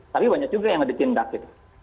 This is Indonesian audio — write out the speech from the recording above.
tapi banyak juga yang ditindak gitu